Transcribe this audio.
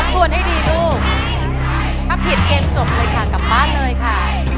ควรให้ดีลูกถ้าผิดเกมจบเลยค่ะกลับบ้านเลยค่ะ